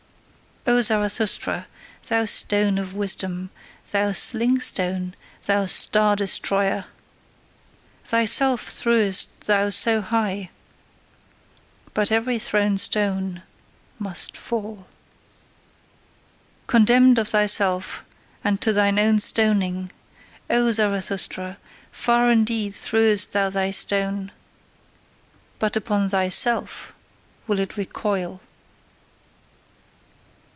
O Zarathustra, thou stone of wisdom, thou sling stone, thou star destroyer! Thyself threwest thou so high, but every thrown stone must fall! Condemned of thyself, and to thine own stoning: O Zarathustra, far indeed threwest thou thy stone but upon THYSELF will it recoil!"